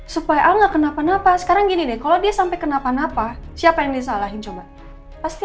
supaya ah nggak kenapa napa sekarang gini deh kalau dia sampai kenapa napa siapa yang disalahin coba pasti